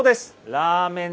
ラーメン。